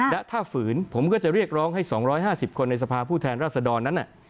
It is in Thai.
และถ้าฝืนผมก็จะเรียกร้องให้๒๕๐คนในสภาพผู้แทนรัศดรนั้น